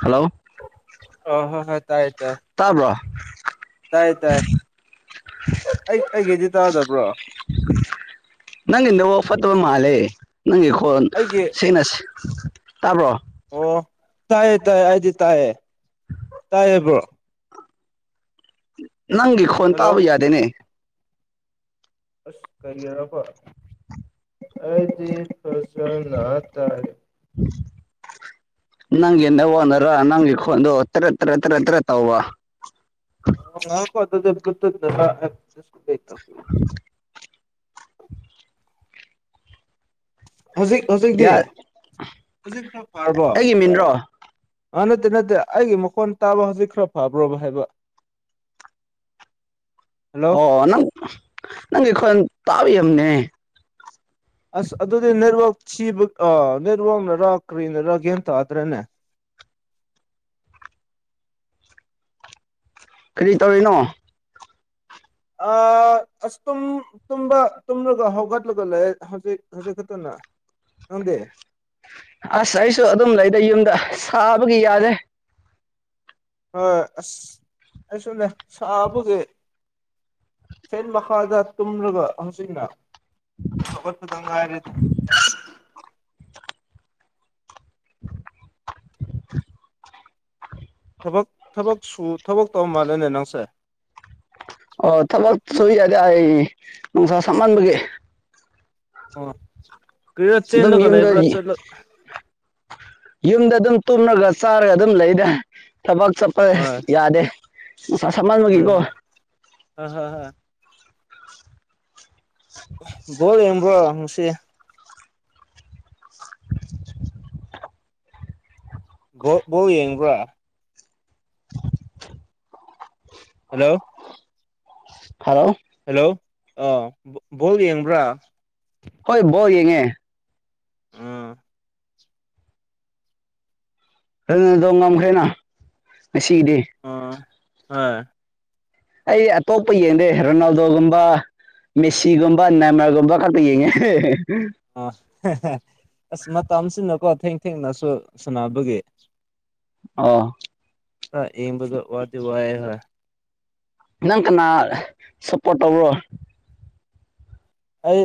hello ꯑ ꯍꯣ ꯍꯣ ꯇꯥꯏ ꯇꯥꯏ ꯇꯥꯕ꯭ꯔꯣ ꯇꯥꯏ ꯇꯥꯏ ꯑꯩ ꯑꯩꯒꯤꯗꯤ ꯇꯥꯗꯕ꯭ꯔꯣ ꯅꯪꯒꯤꯟꯗ ꯋꯥ ꯐꯠꯇꯕ ꯃꯥꯜꯂꯦ ꯅꯪꯒꯤ ꯈꯣꯟ ꯑꯩꯒꯤ ꯁꯦꯡꯅꯁꯤ ꯇꯥꯕꯣ ꯑꯣ ꯇꯥꯏꯌꯦ ꯇꯥꯏꯌꯦ ꯍꯥꯏꯗꯤ ꯇꯥꯏꯌꯦ ꯇꯥꯏꯌꯦꯦꯕ꯭ꯔꯣ ꯅꯪꯤꯈꯣꯣꯟꯇꯕ ꯍꯜꯂꯣ ꯌꯥꯗꯦꯅꯦ ꯑꯁ ꯀꯔꯤꯌꯔꯐ ꯑꯗꯤ ꯐꯁ ꯇꯔꯦ [inaudible] ꯅꯪ ꯅ ꯋꯥꯅꯔ ꯅꯪ ꯏ ꯇꯔ ꯇꯔ ꯇꯔ ꯇꯔ ꯇꯋꯥꯋꯥ ꯑꯣ ꯉꯀꯣ [inaudible] ꯍꯧꯖꯤꯛ ꯍꯧꯖꯤꯛꯇꯤ ꯌꯥ ꯍꯧꯖꯤꯛ ꯈꯔ ꯐꯥꯔꯕꯣ ꯑꯩꯒꯤ ꯃꯤꯡꯔꯣ ꯑꯥ ꯅꯠꯇꯦ ꯅꯠꯇꯦ ꯑꯩꯒꯤ ꯃꯈꯣꯟ ꯇꯥꯕ ꯍꯧꯖꯤꯛ ꯈꯔ ꯐꯕ꯭ꯔꯣꯕ ꯍꯥꯏꯕ [inaudible] ꯍꯜꯂꯣ ꯑꯣ ꯅꯪ ꯅꯪꯒꯤ ꯑꯩꯈꯣꯏ ꯇꯥꯕꯤ ꯑꯃꯅꯦ ꯑꯁ ꯑꯗꯨꯗꯤ ꯅꯦꯠꯋꯥꯛ ꯁꯤꯕ ꯅꯦꯠꯋꯥꯛꯅꯔ ꯀꯔꯤꯅꯔ ꯀꯩꯝ ꯇꯥꯗ꯭ꯔꯦꯅꯦ [inaudible] ꯀꯔꯤ ꯇꯧꯧꯕꯅꯣ ꯑ ꯑꯁꯕ ꯇꯨꯝꯂꯒ ꯍꯧꯒꯠꯂꯒ ꯂꯩ ꯍꯧꯖꯤꯛ ꯈꯖꯤꯛ ꯈꯛꯇꯅ ꯅꯗꯦ ꯑꯁ ꯑꯩꯁꯨ ꯑꯗꯨꯝ ꯂꯩꯗꯦ ꯌꯨꯝꯗ ꯁꯥꯕꯒꯤ ꯌꯥꯔꯦ ꯍꯣꯏ ꯑꯁ ꯑꯩꯁꯨꯅꯦ ꯁꯥꯕꯁꯦ ꯐꯦꯟ ꯃꯈꯥꯗ ꯇꯨꯝꯂꯒ ꯍꯧꯆꯅ ꯁꯨꯗꯉꯥꯏꯔ [inaudible] ꯊꯛ ꯊꯕꯛ ꯁꯨ ꯊꯕꯛ ꯇꯧ ꯃꯥꯜꯂꯦꯅꯦ ꯅꯪꯁꯦ ꯑꯣ ꯊꯕꯛ ꯁꯣꯏ ꯌꯥꯗꯦ ꯑꯩ ꯅꯨꯡꯁꯥ ꯁꯝꯃꯥꯟꯕꯒ ꯑꯣ ꯀꯔꯁꯟꯅ ꯑꯗꯨꯝ ꯀ ꯌꯨꯝꯗ ꯏꯕꯁ ꯌꯨꯝꯗ ꯑꯗꯨꯝ ꯇꯨꯝꯂꯒ ꯆꯥꯔꯒ ꯑꯗꯨꯝ ꯂꯩꯗ ꯊꯕꯛ ꯆꯠꯄ ꯍꯣꯏ ꯌꯥꯗꯦ ꯁ ꯁꯃꯜ ꯎꯝ ꯃꯒꯤꯀꯣ ꯍꯣꯏ ꯍꯣꯏ ꯍꯣꯏ ꯣꯜꯕ꯭ꯔꯣꯅꯨꯡꯁꯤ ꯣ ꯌꯦꯡꯕ꯭ꯔꯣ [unintelligible] ꯍꯜꯂꯣ ꯍꯜꯂꯣ ꯍꯜꯂꯣ ꯑ ꯕꯣꯜ ꯌꯦꯡꯕ꯭ꯔꯥ ꯍꯣꯏ ꯕꯣ ꯌꯦꯡꯉꯦ ꯑꯥ ꯑꯗꯨꯅꯗꯣ ꯉꯝꯈ꯭ꯔꯦꯅ ꯉꯁꯤꯒꯤꯗꯤ ꯑ ꯑꯩ ꯑꯇꯣꯞꯄ ꯌꯦꯡꯗꯦ ꯔꯣꯅꯥꯜꯗꯣꯒꯨꯝꯕ ꯃꯦꯁꯤꯒꯨꯝꯕ ꯅꯃꯒꯨꯝꯕ ꯈꯔꯄ ꯌꯦꯉꯦ ꯑ ꯑꯁ ꯃꯇꯝꯁꯤꯅꯀꯣ ꯊꯦꯡ ꯊꯦꯡꯅꯁꯨ ꯁꯨꯅꯕꯒꯤ ꯑꯣ ꯑ ꯏ ꯋꯥꯗꯤ ꯋꯥꯑ ꯍꯥꯏ ꯅꯪ ꯀꯅꯥ ꯁꯣꯄꯣꯔ ꯇꯣꯕ ꯑꯩ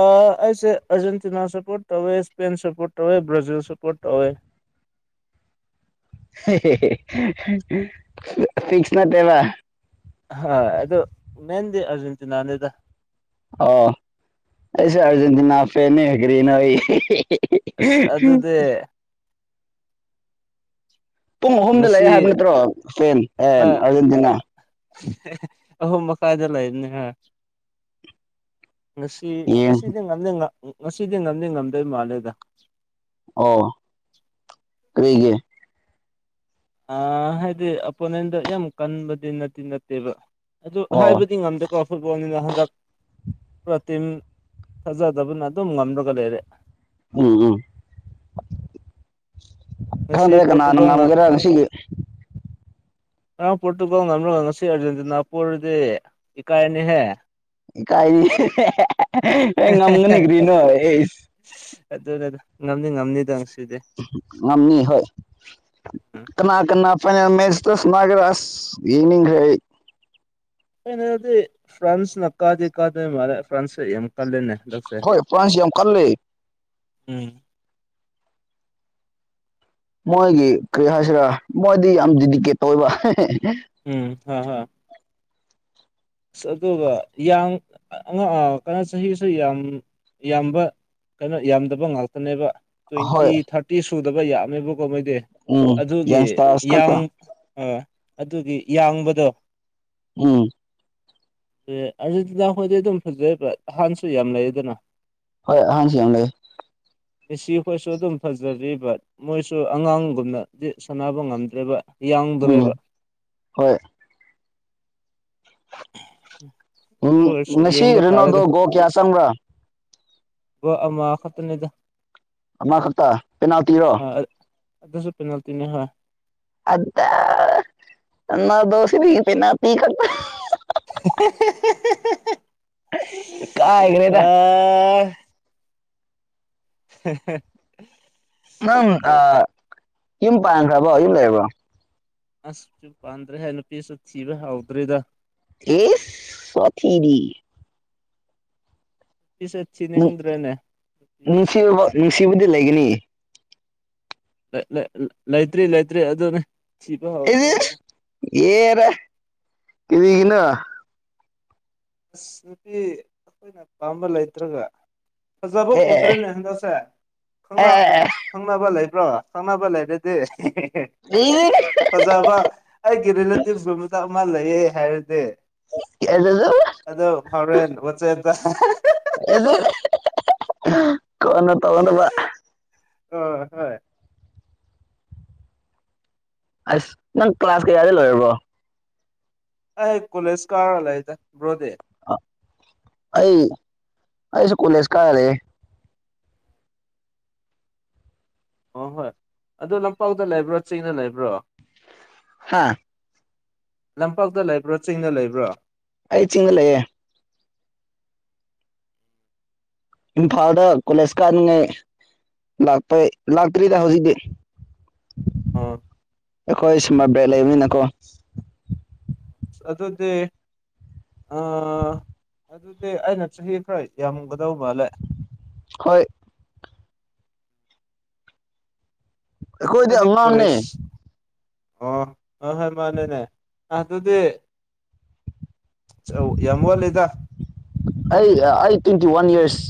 ꯑꯩꯁꯦ ꯑꯔꯖꯦꯟꯇꯤꯅꯥ ꯁꯄꯣꯔꯠ ꯇꯧꯋꯦ ꯏꯁꯄꯦꯟ ꯁꯄꯣꯔꯠ ꯇꯧꯋꯦ ꯭ꯔꯥꯖꯤꯜ ꯁꯄꯣꯔꯠ ꯇꯧꯋꯦ [inaudible] ꯐꯤꯁ ꯅ ꯇꯕꯥ ꯍ ꯑꯗꯣ ꯃꯦꯟꯗꯦ ꯑꯔꯖꯦꯟꯇꯤꯅꯥꯅꯦꯗ ꯑꯣꯁꯦ ꯑꯔꯖꯦꯟꯇꯤꯅꯥ ꯐꯅꯤꯒꯔꯤꯅ ꯑꯁ ꯑꯗꯨꯗꯤ ꯄꯨꯡ ꯑꯍꯨꯝꯗ ꯂꯩꯦ ꯉꯁꯤ ꯍꯥꯏꯕ ꯅꯠꯇ꯭ꯔꯣ ꯐꯦꯟ ꯑꯦ ꯑꯥꯔꯖꯦꯟꯇꯤꯅꯥ ꯑꯍꯣ ꯃꯈꯥꯗ ꯂꯩꯅꯦ ꯉꯁꯤ ꯌꯦꯡ ꯉꯁꯤꯗꯤ ꯉꯝ ꯉꯁꯤꯗꯤ ꯉꯝꯗꯤꯦ ꯉꯝꯗꯣꯏ ꯃꯥꯜꯂꯦꯗ ꯀꯔꯤꯒꯤꯦ ꯑ ꯍꯥꯏꯗꯤ ꯑꯄꯣꯅꯦꯟꯗ ꯌꯥꯝ ꯀꯟꯕꯗꯤ ꯅꯠꯇꯗꯤ ꯅꯠꯇꯦꯕ ꯑꯗꯨ ꯑꯣ ꯍꯥꯏꯕꯗꯤ ꯉꯝꯗꯦꯀꯣ ꯐꯨꯠꯕꯣꯜꯅꯤꯅ ꯍꯟꯗꯛ ꯄ꯭ꯔꯣꯇꯤꯝ ꯐꯥꯖꯗꯕꯅ ꯑꯗꯨꯝ ꯉꯝꯂꯒ ꯂꯩꯔꯦ ꯎꯝ ꯎꯝ ꯉꯁꯤ ꯈꯪꯗꯔ ꯀ ꯅꯅꯨꯡ ꯉꯝꯒꯦꯔꯥ ꯁꯤꯒꯤ ꯑ ꯄꯣꯔꯇꯨꯒꯜ ꯉꯝꯂꯒ ꯉꯁꯤ ꯑꯥꯔꯖꯦꯟꯇꯤꯅꯥ ꯄꯨꯗꯤ ꯏꯀꯥꯏꯅꯤꯍꯦ ꯀꯥꯏ ꯉꯝꯒꯅꯤ ꯀꯔꯤꯅ ꯑꯣꯏ ꯑꯗꯨ ꯑꯗꯨ ꯉꯝꯅꯤ ꯉꯝꯅꯤꯗꯪ ꯉꯝꯃꯤ ꯍꯣꯏ ꯎꯝ ꯀꯅꯥ ꯀꯅꯥ ꯐꯥꯏꯅꯜ ꯃꯦꯆ ꯇꯁ ꯃꯥꯒꯔꯥꯁ ꯏꯅꯤ ꯍ ꯗꯤ ꯐ꯭ꯔꯥꯟꯁ ꯅꯀꯥꯗꯥꯗ ꯃꯦ ꯐ꯭ꯔꯥꯟꯁ ꯍꯣꯏ ꯄꯁꯤ ꯌꯥꯝ ꯀꯜ ꯂꯩ ꯎꯝ ꯃꯣꯏꯒꯤ ꯀꯔꯤ ꯍꯥꯏꯁꯤꯔꯥ ꯃꯣꯏꯗꯤ ꯌꯥꯝ ꯗꯤꯀꯦꯠ ꯇꯧꯕ ꯎꯝ ꯍ ꯍ ꯑꯁ ꯑꯗꯨꯒ ꯌꯥꯝ ꯀꯩꯅꯣ ꯆꯍꯤꯁꯨ ꯌꯥꯝ ꯌꯥꯝꯕ ꯀꯩꯅꯣ ꯌꯥꯝꯗꯕ ꯉꯥꯛꯇꯅꯦꯕ ꯇ꯭ꯋꯦꯟꯇꯤ ꯍꯣꯏ ꯊꯥꯔꯇꯤ ꯁꯨꯗꯕ ꯌꯥꯝꯃꯦꯕ ꯀꯣ ꯃꯣꯏꯗꯤ ꯎꯝ ꯑꯗꯨꯒꯤ ꯌꯪꯁꯇꯥꯔꯁ ꯈꯛꯇ ꯌꯥꯡ ꯑꯥ ꯑꯗꯨꯒꯤ ꯌꯥꯡꯕꯗꯣ ꯎꯝ ꯑꯥꯔꯖꯦꯟꯇꯤꯅꯥ ꯈꯣꯏꯗꯤ ꯑꯗꯨꯝ ꯐꯖꯕ꯭ꯔ ꯑꯍꯥꯟꯕꯁꯨ ꯌꯥꯝ ꯂꯩꯌꯦꯗꯅ ꯍꯣꯏ ꯍꯖꯤ ꯑꯪꯒ ꯉꯁꯤ ꯑꯩꯈꯣꯏꯁꯨ ꯑꯗꯨꯝ ꯐꯖꯔꯤ ꯕꯠ ꯃꯣꯏꯁꯨ ꯑꯉꯥꯡꯒꯨꯝꯅꯗꯤ ꯁꯥꯟꯅꯕ ꯉꯝꯗ꯭ꯔꯦꯕ ꯏꯌꯥꯡ ꯎꯝ ꯗ꯭ꯔꯦꯕ ꯍꯣꯏ ꯎꯝ ꯎꯝ ꯃꯁꯤꯁꯤ ꯔꯔꯤꯅꯣꯗꯣ ꯣ ꯀꯌꯥꯁꯪ꯭ꯔꯥ ꯋꯥ ꯑꯃꯥꯈꯇꯅꯦꯗ ꯑꯃꯈꯛꯇ ꯄꯦꯅꯥꯜꯇꯤꯔꯣ ꯑꯗꯨꯁꯨ ꯄꯦꯅꯥꯜꯇꯤꯅꯦ ꯍꯣꯏ ꯑꯗ ꯅ ꯗꯣꯁ ꯒꯇꯦꯅ ꯄꯤ ꯀꯠꯇ ꯏꯀꯥꯏꯈ꯭ꯔꯦꯗ ꯑ [inaudible] ꯅꯪ ꯌꯨꯝ ꯄꯥꯟꯈ꯭ꯔꯕꯣ ꯌꯨꯝ ꯂꯩꯔꯕꯣ ꯑꯁꯁꯨ ꯄꯥꯟꯗ꯭ꯔꯦ ꯍꯥꯏ ꯅꯨꯄꯤꯁꯨ ꯊꯤꯕ ꯍꯥꯎꯗ꯭ꯔꯤꯗ ꯑꯦꯁ ꯁꯊꯤꯔꯤ ꯐꯤꯁꯦ ꯅꯨꯡ ꯊꯤꯅꯤꯡꯗ꯭ꯔꯦꯅꯦꯗꯤ ꯊꯤꯕꯨꯗꯤ ꯂꯩꯒꯅꯤ ꯂꯩ ꯂꯩꯇ꯭ꯔꯤ ꯂꯩꯇ꯭ꯔꯤ ꯑꯗꯨꯅꯦ ꯊꯤꯕ ꯏ ꯍꯧꯗ꯭ꯔꯤ ꯍꯥꯏꯗꯣ ꯌꯦꯔ ꯏꯒꯅ ꯑꯁ ꯅꯨꯄꯤ ꯑꯩꯈꯣꯏꯅ ꯄꯥꯝꯕ ꯂꯩꯇ꯭ꯔꯒ ꯐꯖꯥꯕꯣ ꯑꯦ ꯎꯗ꯭ꯔꯔꯤꯅꯦ ꯍꯟꯖꯥꯁꯦ ꯈꯪ ꯅꯨꯄꯤ ꯑꯦ ꯈꯪꯕ ꯂꯩꯥꯏꯕ ꯄ꯭ꯔꯣ ꯆꯃꯕ ꯂꯩꯥꯏꯗꯗꯤ ꯐꯖꯕ ꯑꯩꯒꯤ ꯔꯤꯂꯦꯇꯤꯞꯁꯀꯨꯝ ꯃꯆꯥꯛ ꯑꯃ ꯂꯩꯌꯦ ꯍꯥꯏꯔꯗꯤ ꯀꯗꯖ ꯑꯗꯣ ꯐꯥꯎꯔꯦꯟ ꯋꯥꯠꯆꯦꯠꯇ ꯀꯅ ꯇꯉꯗ ꯑ ꯍꯣꯏ ꯑꯁ ꯅꯪ ꯀ꯭ꯂꯥꯁ ꯀꯌꯥꯗ ꯂꯣꯏꯔꯕꯣ ꯑꯩ ꯀꯣꯂꯦꯁ ꯀꯥ ꯑꯂ ꯏ ꯭ꯔꯣꯗꯦ ꯑꯩ ꯑꯩꯁꯨ ꯀꯨꯂꯦꯖ ꯀꯔꯔꯦ ꯑ ꯍꯣꯏ ꯑꯗꯨ ꯂꯝꯄꯥꯛꯇ ꯂꯩꯕ꯭ꯔꯣ ꯆꯤꯡꯅ ꯂꯩꯕ꯭ꯔꯣ ꯍꯥꯥ ꯂꯝꯄꯥꯛꯇ ꯂꯩꯕ꯭ꯔꯥ ꯆꯤꯡꯗ ꯂꯩꯕ꯭ꯔꯥ ꯑꯩ ꯆꯤꯡꯒ ꯂꯩꯑꯦ ꯏꯝꯐꯥꯜꯗ ꯀꯂꯦꯁꯀꯥꯥꯟꯉꯥꯏ ꯂꯥꯛꯄ ꯂꯥꯛꯇ꯭ꯔꯤꯗ ꯍꯧꯖꯤꯛꯇꯤ ꯑꯣ ꯑꯩꯈꯣꯏ ꯁꯨꯝꯕ ꯕ꯭ꯔꯦꯟ ꯂꯩꯕꯅꯤꯅꯀꯣ ꯑꯇꯣꯗꯤ ꯑ ꯑꯗꯨꯗꯤ ꯑꯩꯅ ꯆꯍꯤ ꯈꯔ ꯌꯥꯝꯃꯒ ꯗꯧ ꯃꯥꯂꯦ ꯍꯣꯏ ꯑꯩꯈꯣꯏꯗꯤ ꯍꯥꯏꯗꯤ ꯑꯉꯥꯡꯅꯦ ꯀꯣꯂꯦꯖ ꯑꯣ ꯑ ꯍꯣꯏ ꯃꯥꯅꯦꯅꯦ ꯑꯗꯨꯗꯤ ꯌꯥꯝ ꯋꯥ ꯂꯤꯗ ꯑꯩ ꯑꯩ ꯇ꯭ꯋꯦꯟꯇꯤ ꯋꯥꯟ ꯏꯌꯥꯔꯁ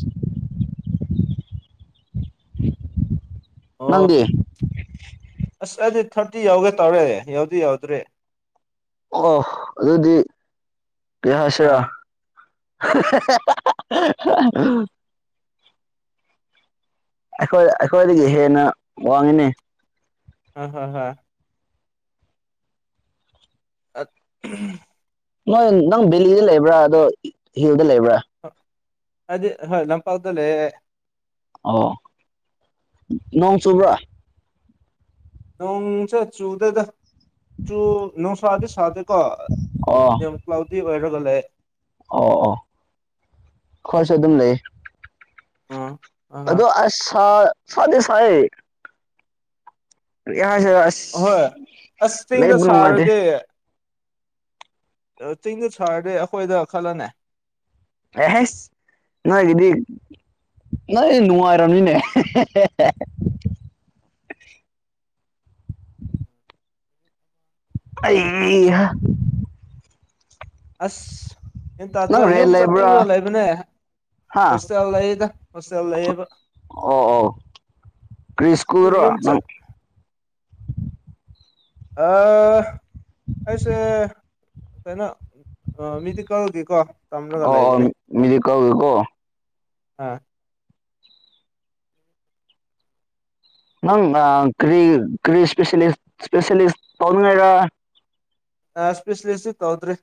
ꯑꯣ ꯅꯪꯗꯤ ꯑꯁ ꯑꯩꯗꯤ ꯊꯥꯔꯇꯤ ꯌꯥꯎꯒꯦ ꯇꯧꯔꯦ ꯌꯥꯎꯗꯤ ꯌꯥꯎꯗ꯭ꯔꯦ ꯑꯣ ꯑꯗꯨꯗꯤ ꯀꯩ ꯍꯥꯏꯁꯤꯔꯥ ꯑꯥ [unintelligible] ꯑꯩꯈꯣꯏ ꯑꯩꯈꯣꯏꯗꯒꯤ ꯍꯦꯟꯅ ꯋꯥꯡꯉꯤꯅꯤ ꯑ ꯍ ꯍ ꯑ ꯅꯣꯏ ꯅꯪ ꯕꯦꯂꯤꯗ ꯂꯩꯕ꯭ꯔꯥ ꯑꯗꯣ ꯍꯤꯜꯗ ꯂꯩꯕ꯭ꯔꯥ ꯑꯗꯨꯗꯤ ꯍꯣꯏ ꯂꯝꯪꯄꯥꯎꯗ ꯂꯩꯑꯦ ꯑꯣ ꯅꯣꯡꯣꯡ ꯆꯨꯕ꯭ꯔꯥ ꯅꯣꯡꯁ ꯆꯨꯗꯗ ꯆ ꯅꯧ ꯁꯥ ꯁꯥꯗꯦ ꯀꯣ ꯑꯗꯨ ꯑꯣ ꯌꯥꯝ ꯀ꯭ꯂꯥꯎꯗꯤ ꯑꯣꯏꯔꯒ ꯂꯩ ꯑꯣ ꯑꯣ ꯈꯔꯁꯨ ꯑꯗꯨꯝ ꯂꯩ ꯑ ꯑꯗꯣ ꯑꯁ ꯁꯥꯗꯦꯁꯑ ꯑꯁ ꯍꯣꯏ ꯑꯁꯇꯩꯗ ꯂꯩꯕ ꯅꯨꯡꯉꯥꯏꯇꯦ ꯁꯔꯗ ꯆꯤꯡꯗꯨ ꯁꯥꯔꯗꯤ ꯑꯩꯈꯣꯏꯗ ꯈꯜꯂꯅꯦ ꯑꯦꯍꯦꯁ ꯅ ꯑꯗꯨꯗꯤ ꯅꯣꯏ ꯅꯨꯡꯉꯥꯏꯔꯝꯅꯤꯅꯦ [inaudible] ꯑ ꯑꯁ ꯌꯦꯟ ꯇꯥꯗ꯭ꯔ ꯅꯪ ꯔꯦꯟ ꯌꯨꯝ ꯆꯠꯅꯤꯡꯕꯣ ꯂꯩꯕ꯭ꯔꯥ ꯂꯩꯕꯅꯦ ꯍꯥ ꯍꯣꯁꯇꯦꯜ ꯂꯩꯗ ꯍꯣꯁꯇꯦꯜ ꯂꯩꯌꯦꯕ ꯑꯗꯨ ꯀꯁꯀꯔ ꯌꯨꯝ ꯆꯠ ꯑꯥ ꯑꯩꯁꯦ ꯀꯩꯅꯣ ꯃꯦꯗꯤꯀꯦꯜꯒꯤꯀꯣ ꯇꯝꯔꯒ ꯑꯣ ꯃ ꯍꯥꯥ ꯅꯪ ꯀꯔꯤ ꯀꯔꯤ ꯏꯁ ꯏꯁꯄꯦꯁꯁ ꯇꯧꯅꯤꯡꯉꯥꯏꯔ ꯏꯁꯄꯤꯁꯂꯤꯦꯁꯤ ꯇꯧꯗ꯭ꯔꯔꯤ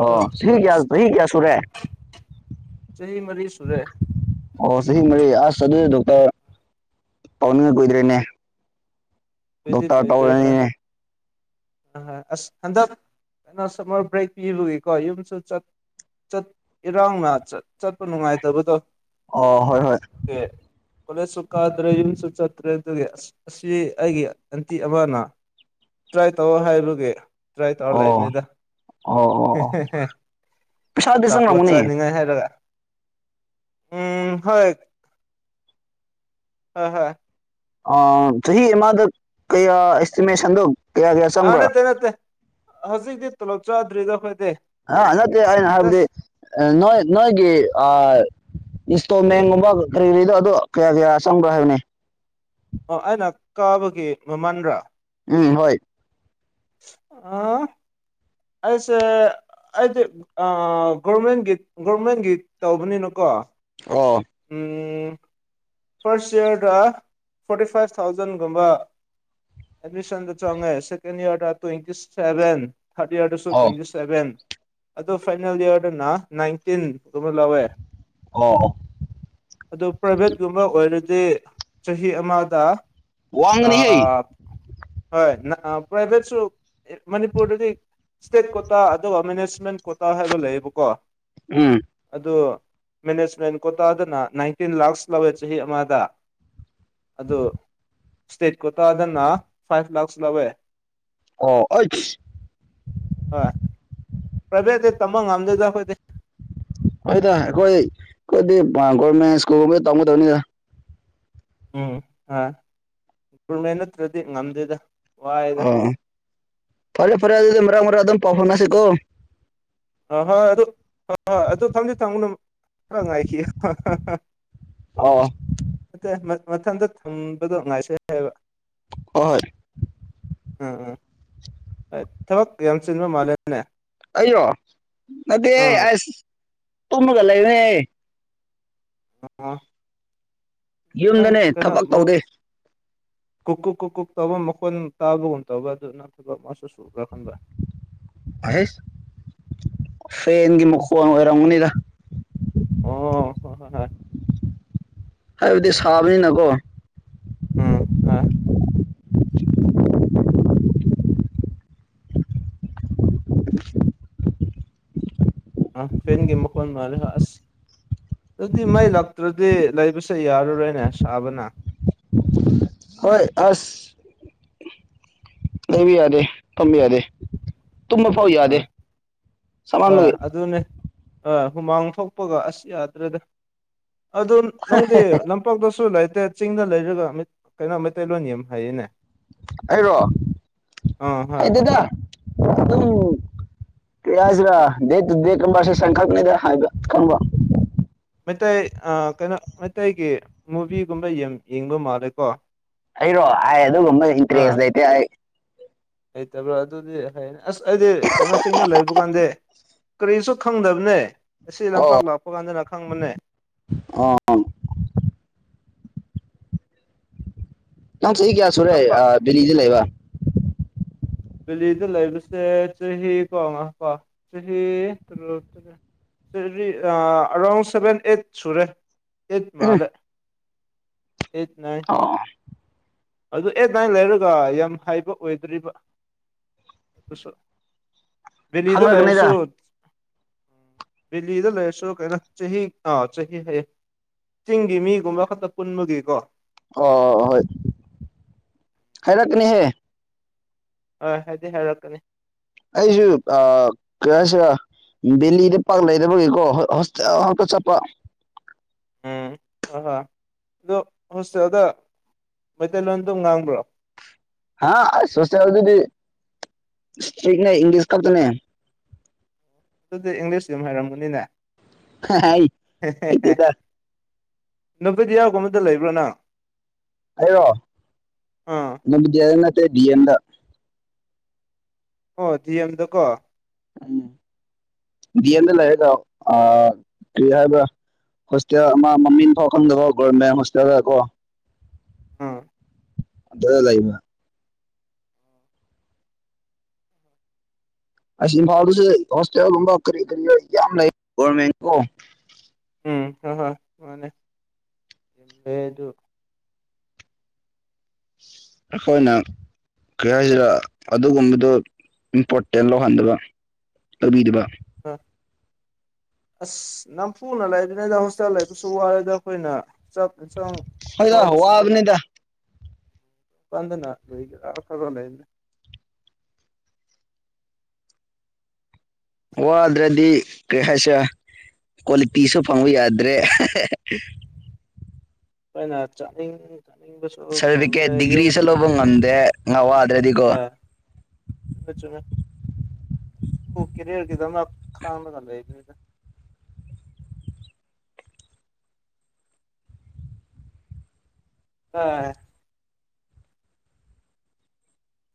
ꯑꯣ ꯁꯤꯒ ꯊꯒ ꯁꯨꯔꯦ ꯆꯍꯤ ꯃꯔꯤ ꯁꯨꯔꯦ ꯑꯣ ꯁꯤꯍꯤ ꯃꯔ ꯑ ꯆꯗ ꯄꯥꯎꯅꯤꯡꯉ ꯀꯨꯏꯗ꯭ꯔꯦꯅꯦ ꯗꯣ ꯀꯨꯏꯗꯤ ꯇꯔ ꯀꯨꯏꯗ꯭ꯔꯦ ꯍꯣꯏ ꯇꯧꯔꯅꯤꯅꯦ ꯑ ꯍꯣꯏ ꯑꯁ ꯍꯟꯗꯛ ꯀꯩꯅꯣ ꯁꯝꯃꯔ ꯕ꯭ꯔꯦꯛ ꯄꯤꯔꯨꯒꯦꯀꯣ ꯌꯨꯝꯁꯨ ꯏꯔꯥꯎꯅ ꯆꯠꯄ ꯅꯨꯡꯉꯥꯏꯇꯕꯗꯣ ꯑꯣ ꯍꯣꯏ ꯍꯣꯏ ꯑꯗꯨꯒꯤ ꯀꯣꯂꯦꯖꯁꯨ ꯀꯥꯗ꯭ꯔꯦ ꯌꯨꯝꯁꯨ ꯆꯠꯇ꯭ꯔꯦ ꯑꯗꯨꯒꯤ ꯑꯁ ꯑꯁꯤ ꯑꯩꯒꯤ ꯑꯟꯇꯤ ꯑꯃꯅ ꯇ꯭ꯔꯥꯏ ꯇꯧ ꯍꯥꯏꯔꯒꯦ ꯇ꯭ꯔꯥꯏ ꯇꯧꯔ ꯑꯣ ꯂꯩꯅꯤꯗ ꯑꯣ ꯑꯣ ꯑꯣ ꯄꯩꯁꯥꯗꯤ ꯇꯄ ꯆꯪꯉꯝꯒꯅꯤ ꯆꯅꯤꯡꯉꯥꯏ ꯍꯥꯏꯂꯒ ꯎꯝ ꯍꯣꯏ ꯍ ꯍ ꯆꯍꯤ ꯑꯃꯗ ꯀꯌꯥ ꯑꯦꯁꯇꯤꯃꯦꯁꯟꯗꯣ ꯀꯌꯥ ꯀꯌꯥ ꯆꯪꯕ꯭ꯔꯥ ꯍꯧꯖꯤꯛꯇꯗꯤ ꯇꯂꯞ ꯆꯥꯗ꯭ꯔꯤꯗ ꯑꯩꯈꯣꯏ ꯑ ꯅꯠꯇꯦ ꯑꯩꯅ ꯍꯥꯏꯕꯗꯤ ꯅꯣꯏ ꯅꯣꯏꯒꯤ ꯑ ꯏꯟꯁꯇꯣꯜꯃꯦꯟꯒꯨꯝꯕ ꯀꯔꯤ ꯀꯔꯤꯗꯣ ꯑꯗꯣ ꯀꯌꯥ ꯀꯌꯥ ꯆꯪꯕ꯭ꯔꯣ ꯍꯥꯏꯕꯅꯦ ꯑꯣ ꯑꯩꯅ ꯀꯥꯕꯒꯤ ꯃꯃꯟꯗ꯭ꯔꯥ ꯎꯝ ꯍꯣꯏ ꯑ ꯑꯩꯁꯦ ꯑꯩꯗꯤꯦ ꯒꯣꯔꯃꯦꯟꯒꯤ ꯒꯣꯔꯃꯦꯟꯒꯤ ꯇꯧꯕꯅꯤꯅꯀꯣ ꯑꯣ ꯎ ꯐꯥꯔꯁ ꯏꯌꯥꯔꯗ forty five ꯊꯥꯎꯖꯟꯒꯨꯝꯕ ꯑꯦꯗꯃꯤꯁꯟꯗ ꯆꯣꯡꯉꯦ second year ꯇ꯭ꯋꯇꯤ seven ꯊꯥꯔꯠ ꯏꯔꯗꯁꯨ ꯑꯣ ꯇ꯭ꯋꯦꯟꯇꯤ ꯁꯕꯦꯟ ꯑꯗꯣ ꯐꯥꯏꯅꯦꯜ ꯏꯔꯗꯅ ꯅꯥꯏꯟꯇꯤꯟ ꯑꯃ ꯂꯧꯥꯛꯋꯦ ꯑꯣ ꯑꯗꯣ ꯄ꯭ꯔꯥꯏꯚꯦꯠ ꯑꯃ ꯑꯣꯏꯔꯗꯤ ꯆꯍꯤ ꯑꯃꯗ ꯋꯥꯪꯅꯤꯍꯩ ꯑꯥ ꯍꯣꯏ ꯄ꯭ꯔꯥꯏꯚꯦꯠꯁꯨ ꯃꯅꯤꯄꯨꯔꯗꯗꯤ ꯏꯁꯇꯦꯠ ꯀꯣꯇꯥ ꯑꯗꯨꯒ ꯃꯦꯅꯦꯖꯃꯦꯟ ꯀꯣꯇꯥ ꯍꯥꯏꯕ ꯂꯩꯌꯦꯕꯀꯣ ꯎꯝ ꯑꯗꯨ ꯃꯦꯅꯦꯖꯃꯦꯟ ꯀꯣꯇꯥꯥꯗꯅ ꯅꯥꯏꯟꯇꯤꯟ ꯂꯥꯛꯁ ꯂꯧꯋꯦ ꯆꯍꯤ ꯑꯃꯗ ꯑꯗꯨ ꯁꯇꯦꯠ ꯀꯠꯇꯗꯅ ꯐꯥꯏꯚ ꯂꯥꯛꯁ ꯂꯧꯋꯦ ꯑꯣ ꯄꯚꯦ ꯇꯃꯥꯡ ꯑꯝꯗ ꯇꯈꯣꯏ ꯍꯣꯏꯗ ꯑꯩꯈꯣꯏ ꯑꯩꯈꯣꯏꯗꯤ ꯒꯣꯔꯃꯦꯟ ꯁ꯭ꯀꯨꯜꯒꯨꯝꯕꯗ ꯇꯝꯒꯗꯕꯅꯤꯗ ꯎꯝꯃꯦꯦꯟ ꯅꯠꯇ꯭ꯔꯗꯤ ꯉꯝꯗꯦꯗ ꯋꯥꯏꯗ ꯑꯣ ꯐꯔꯦ ꯐꯔꯦ ꯑꯗꯨ ꯑꯗꯨ ꯃꯔꯥꯡ ꯃꯔꯥꯡ ꯑꯗꯨ ꯑꯗꯨꯝ ꯄꯥꯐꯟꯅꯁꯤꯦꯀꯣ ꯍꯣꯏ ꯍꯣꯏ ꯑꯗꯨ ꯍꯣꯏ ꯍꯣꯏ ꯑꯗꯨ ꯊꯝꯖ ꯊꯝꯃꯅ ꯈꯔ ꯉꯥꯏꯈꯤ ꯑꯣ ꯍꯣꯏ ꯑ ꯃꯊꯟꯇ ꯊꯝꯕꯗꯣ ꯉꯥꯏꯁ ꯍꯥꯏꯕ ꯍꯣꯏ ꯎꯝ ꯎꯝ ꯊꯥꯕꯛ ꯌꯥꯝ ꯆꯤꯟꯕꯥ ꯃꯥꯂꯦ ꯑꯩꯔꯣ ꯅꯠꯇꯦ ꯑꯥ ꯑꯁ ꯇꯨꯝꯃꯒ ꯂꯩꯔꯦ ꯑ ꯌꯨꯝꯗꯅꯦ ꯊꯕꯛ ꯇꯧꯗꯦ ꯀꯨ ꯀꯨꯛ ꯀꯨ ꯀꯨꯛ ꯇꯕ ꯃꯈꯣꯟ ꯇꯥꯕꯒꯨꯝ ꯇꯧꯕ ꯑꯗꯨ ꯅꯠꯇꯕ ꯑꯃꯁꯨ ꯁꯨꯕ꯭ꯔꯥ ꯈꯟꯕ ꯑꯍꯁ ꯐꯦꯟꯒꯤ ꯃꯈꯣꯟ ꯑꯣꯏꯔꯝꯒꯅꯤꯗ ꯑꯣ ꯍꯣ ꯍꯣ ꯍꯣꯏ ꯍꯥꯏꯕꯗꯤ ꯁꯥꯕꯅꯤꯅꯀꯣ ꯎꯝ ꯑꯥ ꯑ ꯐꯦꯟꯒꯤ ꯃꯈꯣꯟ ꯃꯥꯂꯦꯕꯥ ꯑꯁ ꯑꯗꯨꯗꯤ ꯃꯩ ꯂꯇ꯭ꯔꯗꯤ ꯂꯩꯕꯁꯦ ꯌꯥꯔꯔꯣꯏꯅꯦ ꯁꯥꯕꯅ ꯍꯣꯏ ꯑꯁ ꯂꯩꯕꯌꯥꯗꯦ ꯐꯝꯕꯌꯥꯗꯦ ꯇꯨꯝꯕ ꯐꯥꯎ ꯌꯥꯗꯦ ꯍꯣꯏ ꯍꯣꯏ ꯁꯃꯥꯟꯕꯥꯒꯤ ꯑꯗꯨꯅꯦ ꯍꯣꯏ ꯍꯨꯃꯥꯡ ꯊꯣꯛꯄꯒ ꯑꯁ ꯌꯥꯗ꯭ꯔꯦꯗ ꯑꯗꯨ ꯅꯪꯗꯤ ꯂꯝꯄꯥꯛꯇꯁꯨ ꯑ ꯆꯤꯡꯗ ꯂꯩꯔꯒ ꯀꯩꯅꯣ ꯃꯩꯇꯩꯂꯣꯟ ꯌꯥꯝ ꯍꯥꯏꯌꯦꯅꯦ ꯑꯩꯔꯣ ꯑꯥ ꯍꯣꯏ ꯍꯩꯇꯦꯗꯥ ꯑꯗꯨꯝ ꯀꯔꯤꯍꯥꯏꯁꯤ꯭ꯔ ꯗ ꯗꯦ ꯀꯁ ꯁꯀꯜꯄꯗ ꯍꯥꯏꯕ ꯈ ꯪꯕ ꯃꯩꯇꯩ ꯀꯩꯅꯣ ꯃꯩꯇꯩꯒꯤ ꯃꯨꯚꯤꯒꯨꯝꯕ ꯌꯥꯝ ꯌꯦꯡꯕ ꯃꯥꯜꯂꯦꯀꯣ ꯑꯩꯔꯣ ꯍꯥꯏ ꯑꯗꯨꯒꯨꯝꯕ ꯑꯥ ꯏꯟꯇꯔꯦꯁ ꯂꯩꯇꯦ ꯑꯥꯏ ꯍꯩꯇꯕ꯭ꯔꯥ ꯑꯗꯨꯗꯤ ꯐꯅꯤ ꯑꯁ ꯑꯩꯗꯤ ꯀꯩꯅꯣ ꯆꯤꯡꯅ ꯂꯩꯕ ꯀꯥꯟꯗ ꯀꯔꯤꯁꯨ ꯈꯪꯗꯕꯅꯦ ꯑꯁꯤ ꯂꯝꯄꯥꯛ ꯑꯣ ꯂꯥꯛꯄ ꯀꯥꯟꯗꯅ ꯈꯪꯕꯅꯦ ꯑꯣ ꯅꯪ ꯆꯥꯍꯤ ꯀꯌꯥ ꯁꯨꯔꯦ ꯂꯝꯄꯥꯛ ꯗꯤꯂꯤꯗ ꯂꯩꯕ ꯗꯦꯂꯤꯗ ꯂꯩꯕꯁꯦ ꯆꯍꯤ ꯀꯣ ꯉꯥꯏꯈꯣꯀꯣ ꯆꯍꯤ ꯇꯔꯨ ꯇꯔꯦꯠ ꯑꯔꯥꯎꯟ ꯁꯚꯦꯟ ꯑꯩꯠ ꯁꯨꯔꯦ ꯑꯩꯠ ꯎꯝ ꯃꯥꯜꯂꯦ ꯑꯩꯠ ꯅꯥꯏꯟ ꯑꯣ ꯑꯥꯗꯣꯥ ꯑꯩꯠ ꯅꯥꯏꯟ ꯂꯩꯔꯒ ꯌꯥꯝ ꯍꯥꯏꯕ ꯑꯣꯏꯗ꯭ꯔꯤꯕ ꯗꯦꯜꯂꯤꯗ ꯂꯩꯔꯥꯁ ꯈꯪꯂꯛꯀꯅꯤꯗ ꯎꯝ ꯗꯦꯜꯂꯤꯗ ꯂꯩꯔꯁꯨ ꯀꯩꯅꯣ ꯆꯍꯤ ꯑꯥ ꯆꯍꯤ ꯍꯥꯏꯌꯦ ꯆꯤꯡꯒꯤ ꯃꯤꯒꯨꯝꯕ ꯈꯛꯇ ꯄꯨꯟꯕꯒꯤꯀꯣ ꯑ ꯍꯣꯏ ꯍꯩꯔꯛꯅꯤꯍꯦ ꯍꯣꯏ ꯍꯥꯏꯗꯤ ꯍꯥꯏꯔꯛꯀꯅꯤ ꯑꯩꯁꯨ ꯑ ꯀꯩꯍꯥꯏꯁꯤꯔꯥ ꯗꯦꯂꯤꯗ ꯄꯥꯛ ꯂꯩꯔꯕꯒꯤꯀꯣ ꯍꯣꯁꯇꯦꯜꯍꯄꯠ ꯆꯠꯄ ꯎꯝ ꯍ ꯍ ꯑꯗꯨꯣ ꯍꯣꯁꯇꯦꯜꯗ ꯃꯩꯇꯩꯂꯣꯟꯗ ꯉꯥꯡꯕ꯭ꯔꯣ ꯍꯥꯥ ꯁꯣꯁ ꯌꯥ ꯑꯗꯨꯗꯤ ꯏꯁꯇꯥꯔꯤꯛꯅꯦ ꯏꯪꯂꯤꯁ ꯈꯛꯇꯅꯦ ꯑꯗꯨꯗꯤ ꯏꯪꯂꯤꯁ ꯌꯥꯝ ꯍꯥꯏꯔꯝꯃꯅꯤꯅꯦ ꯍꯩꯇꯦꯗꯥ [unintelligible] ꯑꯥ ꯑꯣꯠꯇꯦ ꯗꯤꯑꯟꯗ ꯑꯣ ꯗꯤꯑꯦꯝꯗꯀꯣ ꯎꯝ ꯗꯤꯑꯦꯝꯗ ꯂꯩꯔꯒꯥ ꯑ ꯀꯔꯤ ꯍꯥꯏꯕ꯭ꯔ ꯍꯣꯁꯇꯦꯜ ꯑꯃ ꯃꯃꯤꯡ ꯐꯥꯎ ꯈꯪꯗꯕꯣ ꯒꯣꯔꯔꯃꯦꯟ ꯍꯣꯁꯇꯦꯜꯗꯀꯣ ꯎꯝ ꯗ ꯂꯩꯕ ꯑꯁꯤ ꯏꯝꯐꯥꯜꯗꯁꯨ ꯍꯣꯁꯄꯤꯇꯦꯜꯒꯨꯝꯕ ꯀꯔꯤ ꯀꯔꯤ ꯌꯥꯝ ꯂꯩ ꯒꯃꯦꯟ ꯀꯣ ꯎꯝ ꯍ ꯍꯣꯏ ꯃꯥꯅꯦ ꯂꯩ ꯑꯗꯨ ꯈꯣꯏꯅ ꯀꯔꯤ ꯍꯥꯏꯁꯤꯔ ꯑꯗꯨꯒꯨꯝꯕꯗꯨ ꯏꯝꯄꯣꯔꯇꯦꯟ ꯂꯧꯍꯟꯗꯕ ꯂꯧꯕꯤꯗꯕ ꯍꯣꯏ ꯑꯁ ꯅꯝꯐꯨꯅ ꯂꯩꯗꯅꯤꯗ ꯍꯣꯁꯇꯦꯜ ꯂꯩꯕꯁꯨ ꯋꯥꯔꯦꯗ ꯑꯩꯈꯣꯏꯅ ꯆ ꯍꯣꯏꯗ ꯍꯥꯎꯕꯨꯁꯨꯣ ꯋꯥꯕꯅꯤꯗ ꯄꯥꯟꯗꯅ ꯂꯒ ꯈꯔꯣ ꯂꯩꯃꯦ ꯋꯥꯗ꯭ꯔꯗꯤ ꯀꯩ ꯍꯥꯏꯁꯦ ꯀꯣꯂ ꯇꯤꯁꯨꯣ ꯐꯪꯉꯨꯗ꯭ꯔꯦ ꯀꯥꯏꯅ ꯁꯜꯕꯤꯀꯦ ꯗꯤꯒ꯭ꯔꯤ ꯁꯂꯕ ꯉꯝꯗꯦ ꯉ ꯋꯥꯗ꯭ꯔꯗꯤꯒꯣ ꯑꯥ ꯀꯦꯔꯤꯔ ꯀꯗ ꯈꯥꯗꯗ [unintelligible] ꯑ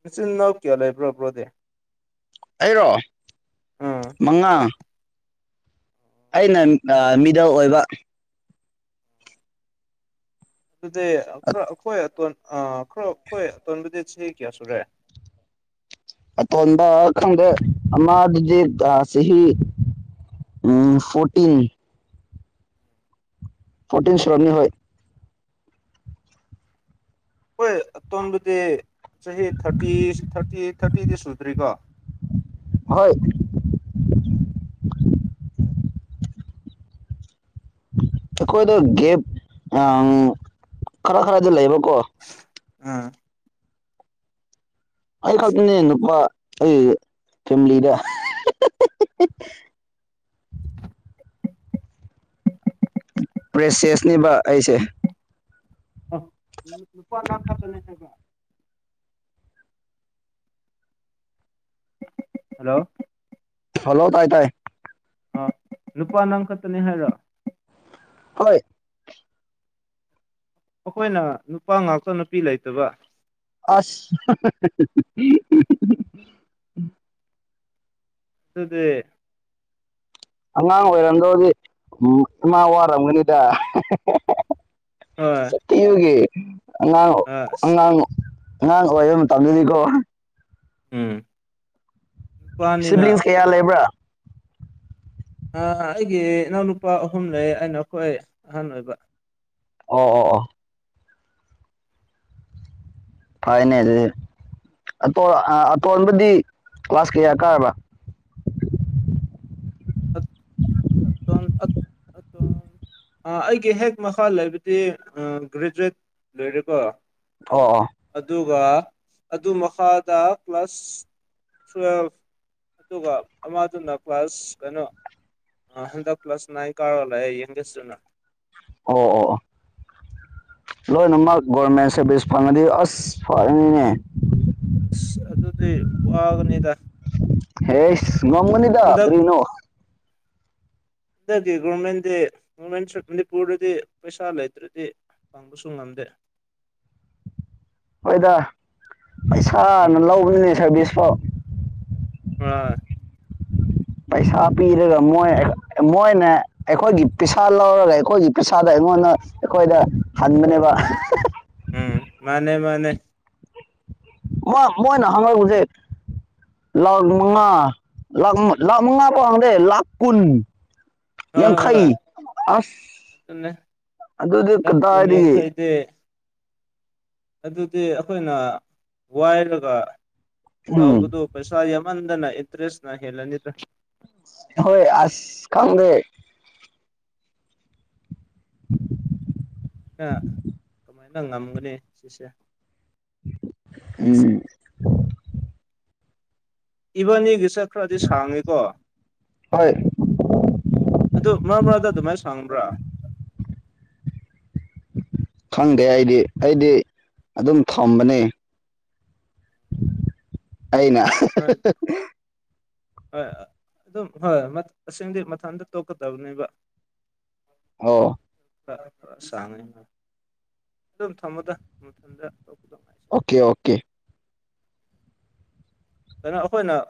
ꯏꯆꯤꯟꯜꯅꯥꯎ ꯀꯌꯥ ꯂꯩꯕ꯭ꯔꯣ ꯕ꯭ꯔꯣꯗꯦ ꯑꯩꯔꯣ ꯎꯝ ꯃꯉꯥ ꯑꯩꯅ ꯃꯤꯗ ꯑꯣꯏꯕ ꯑꯗꯨꯗꯤ ꯑꯩꯈꯣꯏ ꯑꯇꯣꯟ ꯑ ꯈ꯭ꯔꯣ ꯑꯩꯈꯣꯏ ꯑꯇꯣꯟꯕ ꯗꯦꯠꯁꯤ ꯀꯌꯥ ꯁꯨꯔꯦ ꯑꯇꯣꯟꯗ ꯈꯪꯗꯦ ꯑꯃꯥ ꯑꯗꯨꯗꯤꯁꯤ ꯎꯝ ꯐꯣꯔꯇꯤꯟ ꯄꯣꯔꯇꯤꯟ ꯁꯣꯔꯣꯅꯤ ꯍ ꯍꯣꯏꯇꯣꯟꯕꯨꯗꯤ ꯆꯍꯤ ꯊꯥꯔꯇꯤ ꯊꯥꯔꯇꯤ ꯊꯥꯔꯇꯤꯗꯤ ꯁꯨꯗ꯭ꯔꯤꯀꯣ ꯍꯣꯏ ꯑꯩꯈꯣꯏꯗ ꯒꯦꯞ ꯈꯔ ꯈꯔꯗꯤ ꯂꯩꯕꯀꯣ ꯑꯥ ꯑꯩ ꯀꯜꯄꯤꯅꯤ ꯅꯨꯄꯥ ꯑꯩ ꯐꯦꯃꯤꯂꯤꯗ ꯄ꯭ꯔꯦꯁꯦꯁꯅꯦꯕ ꯑꯩꯁꯦ ꯂꯨꯄꯥ ꯉ ꯐꯗꯅꯦꯕ ꯍꯜꯂꯣ ꯍꯜꯂꯣ ꯇꯥꯏ ꯇꯥꯏ ꯂꯨꯄꯥ ꯅꯪꯈꯛꯇꯅꯤ ꯍꯥꯏꯔꯣ ꯍꯣꯏ ꯑꯩꯈꯣꯏꯅ ꯅꯨꯄꯥ ꯉꯥꯛꯇ ꯅꯨꯄꯤ ꯂꯩꯇꯕ ꯑꯁ ꯑꯗꯨꯗ ꯑꯉꯥꯡ ꯑꯣꯏꯔꯝꯗꯧꯗꯤ ꯏꯃꯥ ꯋꯥꯔꯝꯒꯅꯤꯗ ꯍꯣꯏ ꯁꯇ ꯌꯒꯤꯦ ꯑꯉꯥꯡ ꯑꯥ ꯑꯁ ꯑꯉꯥꯡ ꯑꯉꯥꯡ ꯑꯣꯏꯕ ꯃꯇꯝꯗꯗꯤꯀꯣ ꯎꯝ ꯅꯨꯄꯥꯅꯤꯅ ꯁꯤꯕ꯭ꯂꯤꯡꯁ ꯀꯌꯥ ꯂꯩꯕ꯭ꯔꯥ ꯑꯩꯒꯤ ꯏꯅꯥꯎꯅꯨꯄꯥ ꯑꯍꯨꯝ ꯂꯩ ꯑꯩꯅꯈꯣꯏ ꯑꯍꯥꯟ ꯑꯣꯏꯕ ꯑꯣ ꯑꯣ ꯑꯣ ꯐꯥꯏꯅꯦꯜ ꯇ ꯑꯇꯣꯟꯕꯗꯤ ꯀ꯭ꯂꯥꯁ ꯀꯌꯥ ꯀꯥꯔꯕ꯭ꯔꯥ [inaudible] [inaudible] ꯑꯩꯒꯤ ꯍꯦꯛ ꯃꯈꯥ ꯂꯩꯕꯗꯤ ꯒ꯭ꯔꯦꯖꯨꯋꯦꯠ ꯂꯣꯏꯔꯦꯀꯣ ꯑꯣ ꯑ ꯑꯗꯨꯒ ꯑꯗꯨ ꯃꯈꯥꯗ ꯀ꯭ꯂꯥꯁ ꯇꯨꯋꯦꯜꯐ ꯑꯗꯨꯒ ꯑꯃꯗꯨꯅ ꯀ꯭ꯂꯥꯁ ꯀꯩꯅꯣ ꯍꯟꯗꯛ ꯄ꯭ꯂꯁ ꯅꯥꯏ ꯀꯥꯔꯂꯑ ꯌꯦꯡꯒꯦꯁꯇꯅ ꯑꯣ ꯑꯣ ꯑꯣ ꯂꯣꯏꯅꯃꯛ ꯒꯣꯔꯃꯦꯟ ꯁꯥꯔꯚꯤꯁ ꯐꯪꯉꯗꯤ ꯑꯁ ꯐꯔꯅꯤꯅꯦ ꯑꯁ ꯑꯗꯨꯗꯤ ꯋꯥꯒꯅꯤꯗ ꯑꯦꯁ ꯉꯒꯅꯤꯗ ꯀꯔꯤꯅꯣ ꯑꯟꯗꯒꯤ ꯒꯣꯔꯃꯦꯟꯗꯤ ꯒꯣꯔꯃꯦꯟꯁꯨ ꯃꯅꯤꯄꯨꯔꯗꯗꯤ ꯄꯩꯁꯥ ꯂꯩꯇ꯭ꯔꯗꯤ ꯄꯥꯡꯕꯨ ꯁꯨꯡꯝ ꯗꯦ [unintelligible] ꯍꯣꯏꯗ ꯄꯩꯁꯥꯅ ꯎꯝ ꯂꯧꯕꯅꯦ ꯁꯥꯔꯚꯤꯁ ꯐꯥꯎ ꯑꯥ ꯄꯩꯁꯥ ꯄꯤꯔꯒ ꯃꯣꯏ ꯃꯣꯏꯅ ꯑꯩꯈꯣꯏꯒꯤ ꯄꯩꯁꯥ ꯂꯧꯔꯒ ꯑꯩꯈꯣꯏꯒꯤ ꯄꯩꯁꯥꯗ ꯉꯣꯟꯗ ꯑꯩꯈꯣꯏꯗ ꯍꯟꯕꯅꯦꯕ ꯎꯝ ꯃꯅꯦ ꯃꯥꯅꯦ ꯃ ꯃꯣꯏ ꯅꯍꯉꯔꯕꯨ ꯎꯆꯦ ꯂꯈ ꯃꯉꯥ ꯂ ꯂꯥꯛ ꯃꯉꯥ ꯄ ꯍꯪꯗꯦ ꯂꯈ ꯀꯨꯟ ꯍꯣꯏ ꯌꯥꯡꯈꯩ ꯍꯣꯏ ꯑꯗꯨꯅꯦ ꯑꯁ ꯑꯗꯨꯗꯤ ꯂꯛ ꯀꯗꯥ ꯀꯨꯟ ꯍꯥꯏꯗꯒꯤ ꯌꯥꯡꯈꯩꯗꯤ ꯑꯗꯨꯗꯤ ꯑꯩꯈꯣꯏꯅ ꯋꯥꯏꯔꯒ ꯎꯝ ꯇꯧꯕꯗꯨꯣ ꯄꯩꯁꯥ ꯌꯥꯝꯃꯟ ꯑꯗꯨꯅ ꯏꯟꯇ꯭ꯔꯦꯁꯅ ꯍꯂꯅꯤꯗ꯭ꯔꯥ ꯍꯣꯏ ꯑꯁ ꯈꯪꯗ [inaudible] ꯁꯨꯃꯥꯏꯅ ꯉꯝꯒꯅꯤ ꯁꯤꯁꯦ ꯎꯝ ꯏꯕꯅꯤꯒꯤꯆꯠ ꯈ꯭ꯔꯗꯤ ꯁꯥꯡꯉꯤꯀꯣ ꯍꯣꯏ ꯑꯗꯨ ꯃꯔꯥ ꯃꯔꯥꯡꯗ ꯑꯗꯨꯃꯥꯏꯅ ꯁꯪꯕ꯭ꯔꯥ ꯈꯪꯗꯦ ꯑꯩꯗꯤ ꯑꯩꯗꯤ ꯑꯗꯨꯝ ꯊꯝꯕꯅꯤ ꯑꯅ ꯍꯣꯏ ꯍꯣꯏ ꯑꯗꯨꯝ ꯍꯣꯏꯣꯏ ꯑꯁꯦꯡꯗꯤ ꯃꯊꯟꯇ ꯇꯣꯛꯀꯗꯕꯅꯦꯕ ꯑꯣ ꯈꯔ ꯈꯔ ꯆꯥꯡꯅꯤ ꯑꯗꯨꯝ ꯊꯝꯃꯗ ꯃꯊꯟꯇꯗ ꯑꯣꯀꯦ ꯑꯣꯀꯦ ꯀꯩꯅꯣ ꯑꯩꯈꯣꯏꯅ